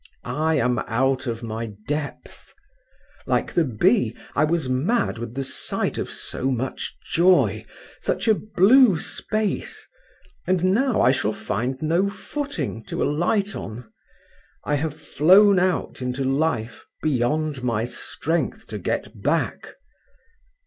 I am out of my depth. Like the bee, I was mad with the sight of so much joy, such a blue space, and now I shall find no footing to alight on. I have flown out into life beyond my strength to get back.